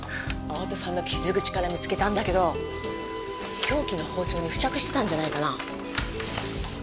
青田さんの傷口から見つけたんだけど凶器の包丁に付着してたんじゃないかな？